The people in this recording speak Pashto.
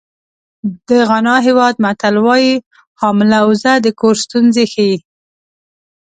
د غانا هېواد متل وایي حامله اوزه د کور ستونزې ښیي.